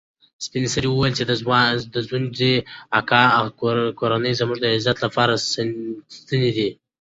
سپین سرې وویل چې د ځونډي اکا کورنۍ زموږ د عزت لوړې ستنې دي.